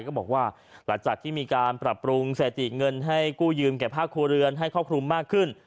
ก็บอกว่าหลังจากที่มีการปรับปรุงเศรษฐีเงินให้กู้ยืมแก่ภาคครัวเรือนให้ครอบคลุมมากขึ้น